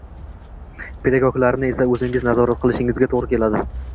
pedagoglarni esa o‘zingiz nazorat qilishingizga to‘g‘ri keladi.